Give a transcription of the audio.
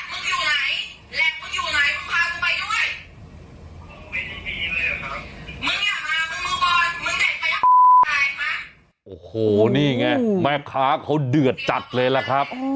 โอ้โหนี่ไงแม่ค้าเขาเดือดจัดเลยล่ะครับ